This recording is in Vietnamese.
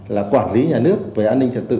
là quản lý nhà nước về an ninh trật tự